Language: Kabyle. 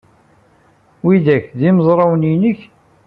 Widak d imezrawen-nnek?